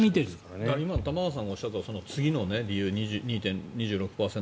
今、玉川さんがおっしゃった次の理由、２６％